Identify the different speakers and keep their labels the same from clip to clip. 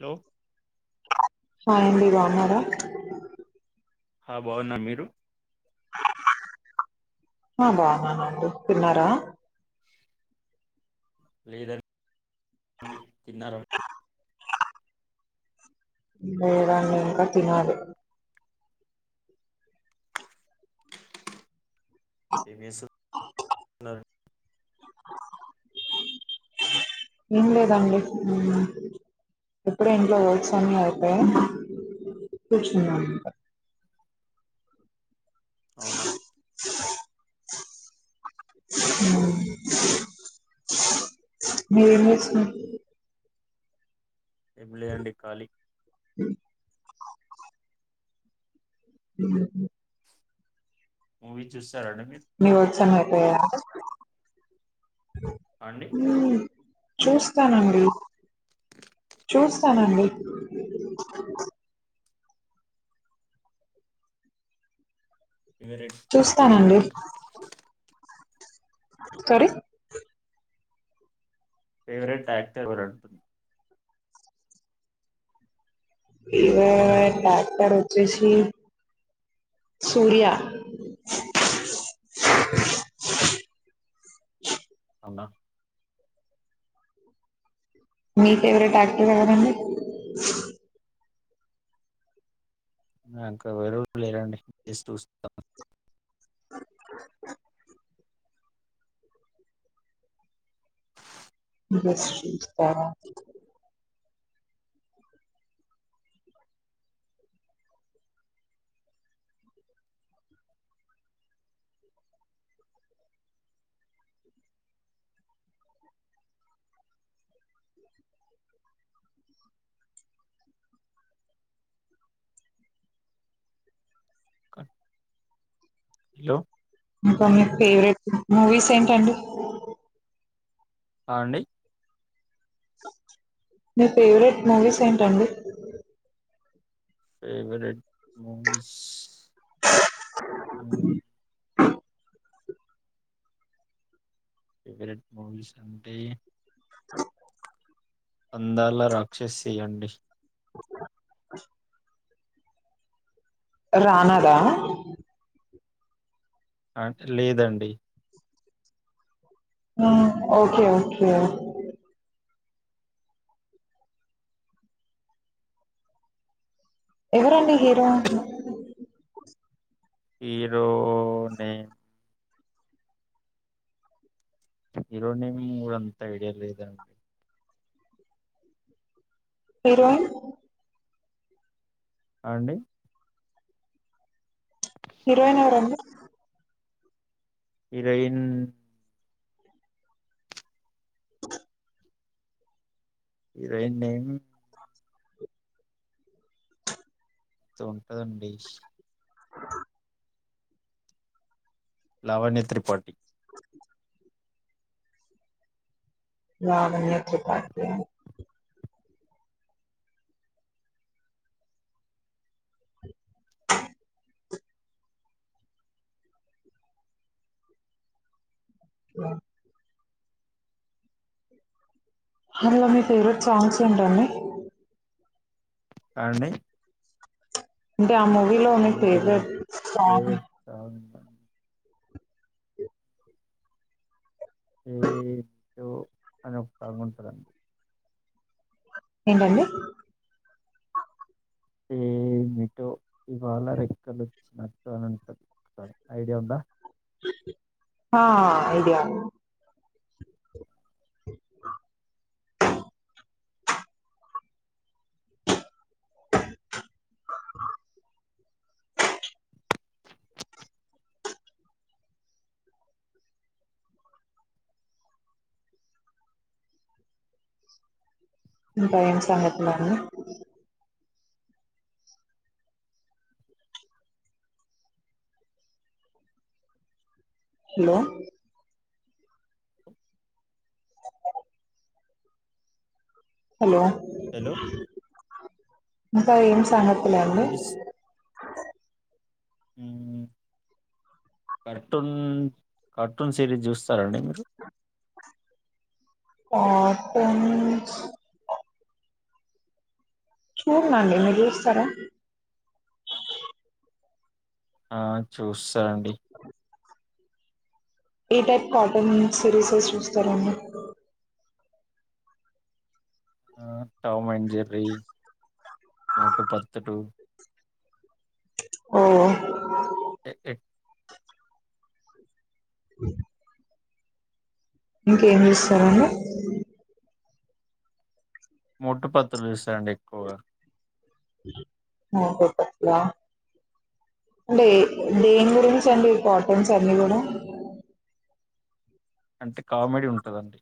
Speaker 1: Hello
Speaker 2: hi అండి బాగున్నారా
Speaker 1: ఆ బాగున్నాన్ మీరు
Speaker 2: ఆ బాగున్నానండి తిన్నారా
Speaker 1: లేదండి తిన్నారా
Speaker 2: లేదండి ఇంకా తినాలి
Speaker 1: ఏం చేస్తున్నారు
Speaker 2: ఏం లేదండి ఇప్పుడే ఇంట్లో వర్క్స్ అన్ని అయిపోయాయి కూర్చున్నాం
Speaker 1: అవునా
Speaker 2: అ మీరు ఏమి
Speaker 1: ఏం లేదండి కాలీ
Speaker 2: [inaudible] [inaudible]
Speaker 1: మూవీ చూస్త
Speaker 2: మీ వర్క్స్ అన్నీ
Speaker 1: అండి
Speaker 2: [inaudible] మ్ చూస్తానండి చూస్ చాలండి
Speaker 1: ఫేవరెట్ యాక్టర్
Speaker 2: చూస్తానండి
Speaker 1: ఎవరండి
Speaker 2: సరి
Speaker 1: ఫేవరెట్ యాక్టర్ ఎవరు అంటుంన్న
Speaker 2: ఫేవరెట్ యాక్టర్ వచ్చేసి సూర్య
Speaker 1: అవునా
Speaker 2: మీ ఫేవరెట్ యాక్టర్ ఎవరండీ
Speaker 1: నాకు ఎవరూ లేరండి జస్ట్ చూస్తాం
Speaker 2: బస్
Speaker 1: హలో
Speaker 2: ఇకా మీకు ఫేవరెట్ మూవీస్ ఏంటండి
Speaker 1: ఆ అండి
Speaker 2: మీ ఫేవరెట్ మూవీస్ ఏంటండి
Speaker 1: favourite movies um favourite movies అంటే
Speaker 2: [inaudible]
Speaker 1: అందాల రాక్షసి అండి.
Speaker 2: [inaudible] రానా దా
Speaker 1: ఆ లేదండి.
Speaker 2: మ్ ఓకే ఓకే ఎవరండి hero?
Speaker 1: Hero.. name hero name అంత ఐడియా లేదం
Speaker 2: పరువా
Speaker 1: ఆ అండి.
Speaker 2: హీరోయిన్ [inaudible]
Speaker 1: హీరోయిన్
Speaker 2: అ
Speaker 1: హీరోయిన్ నేమ్ ఏదో ఉంటదండి. లావణ్య త్రిపాఠి.
Speaker 2: లావణ్య త్రిపాఠి ఆ ఆ అందులో మీ ఫేవరెట్ సాంగ్స్ ఏంటండి.
Speaker 1: ఆ అండి
Speaker 2: అంటే ఆ మూవీలో మీ
Speaker 1: అందులో
Speaker 2: ఫేవరెట్ సాంగ్
Speaker 1: ఫేవరెట్ సాంగ్ అంటే ఏదో అని ఒక సాంగ్ ఉంటందండి.
Speaker 2: ఏంటండి.
Speaker 1: ఏమిటో ఇవాళ రెక్కలొచ్చినట్టు అనింటంది ఐడియా ఉందా
Speaker 2: ఆ ఐడియా ఇ ఇంకేం సంగతులండి. హలో హలో
Speaker 1: హలో
Speaker 2: ఇంకా ఏం సాంగ్ సంగతులండి
Speaker 1: మ్ కార్టూన్ కార్టూన్ సిరీస్ చూస్తారండి మీరు
Speaker 2: కార్టూన్స్ చూడ్నండి మీరు చూస్తరా
Speaker 1: ఆ చూస్తా అండి.
Speaker 2: ఏ టైప్ కార్టూన్ రీసెస్ చూస్తారండి.
Speaker 1: టామెన్, జెర్రీ మోటు, పత్లు
Speaker 2: ఓ
Speaker 1: ఎ- ఎ-
Speaker 2: ఇంకేం చూస్తారండి
Speaker 1: మోటు పాత్లు చూస్తా అండి ఎక్కువ
Speaker 2: అ అంటే దేని గురించి అండి కార్టూన్స్ అన్ని కూడా
Speaker 1: అంతే కామెడీ ఉంటుందండి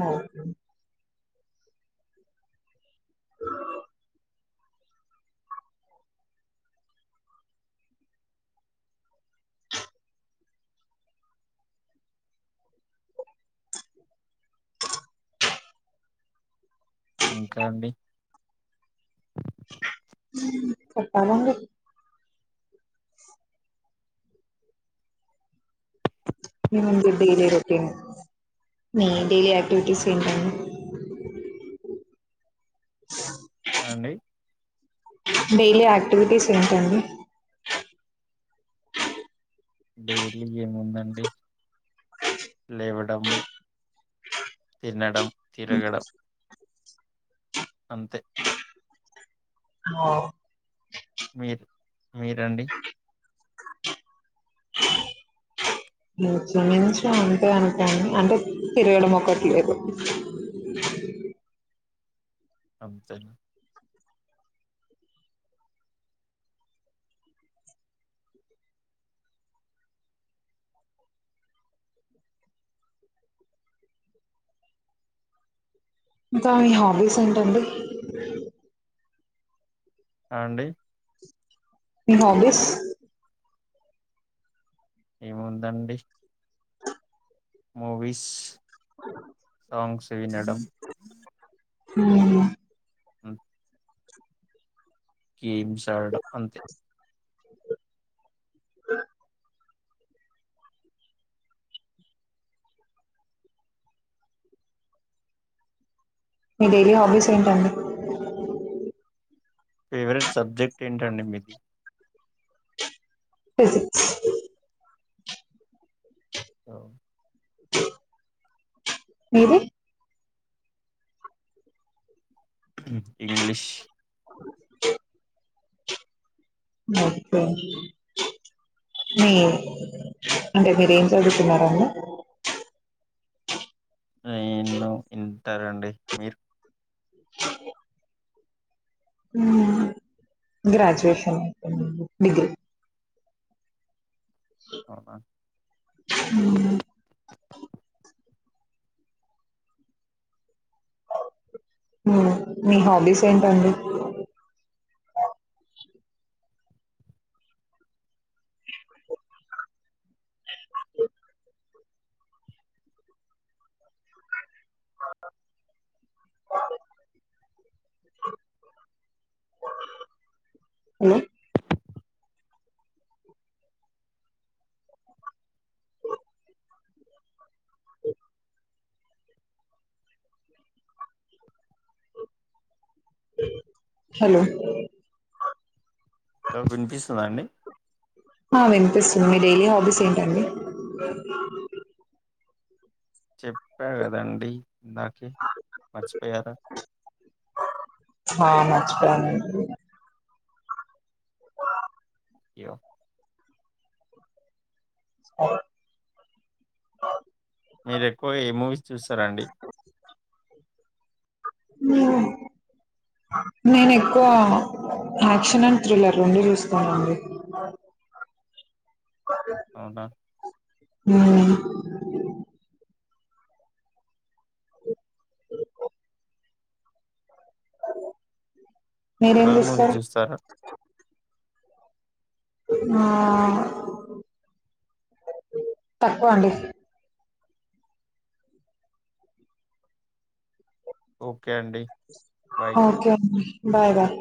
Speaker 2: ఓ
Speaker 1: ఇంకా అండి
Speaker 2: చెప్పాలండి మేము డైలీ రొటీన్ మీ డైలీ యాక్టివిటీస్ ఏంటండి
Speaker 1: అ అండి
Speaker 2: డైలీ యాక్టివిటీస్ ఏంటండి
Speaker 1: డైలీ ఏముందండి లేవడం తినడం తిరగడం అంతే
Speaker 2: ఆ
Speaker 1: మీరు మీరండి
Speaker 2: ఇంచుమించు అంతే అనుకోండి అంటే తిరగడం ఒకట్లేదు
Speaker 1: అంతేనా
Speaker 2: ఇంకా మీ హాబీస్ ఏంటండి
Speaker 1: అండి
Speaker 2: మీ హాబీస్
Speaker 1: ఏముందండి మూవీస్ సాంగ్స్ సింగ్ చేయడం
Speaker 2: హమ్
Speaker 1: హమ్ గేమ్స్ ఆడడం అంతే
Speaker 2: ఏ మీ డైలీ హాబీస్ ఏంటండి
Speaker 1: ఫేవరెట్ సబ్జెక్ట్ ఏంటండీ మిది
Speaker 2: తేజ్
Speaker 1: ఆ
Speaker 2: మీరు
Speaker 1: ఇంగ్లీష్
Speaker 2: ఓకే మీ అంటే మీరేం చదువుతున్నారండి
Speaker 1: నేను ఇంటర్ అండి మీరు
Speaker 2: గ్రాడ్యుయేషన్ డిగ్రీ
Speaker 1: అవునా
Speaker 2: [inaudible] మీ హాబీస్ ఏంటండి హలో [unintelligible] హలో
Speaker 1: వినిపిస్తుంద అండి
Speaker 2: వినిపిస్తుంది మీ డైలీ హాబీస్ ఏంటండి
Speaker 1: చెప్పా కదండి ఇందాకే మర్చిపోయారా
Speaker 2: పోయానండి
Speaker 1: అయ్యో మీరు ఎక్కువ ఏ మూవీస్ చూస్తారాండి
Speaker 2: నేను ఎక్కువ యాక్షన్ అండ్ థ్రిల్లర్ రెండు చూస్తానండి
Speaker 1: అవునా
Speaker 2: ఆ మీరేం
Speaker 1: అరరు మూవీ
Speaker 2: చూస్తారు
Speaker 1: చూస్తార
Speaker 2: ఆ తక్కువ అండి
Speaker 1: ఓ
Speaker 2: ఓకే బాయ్ బాయ్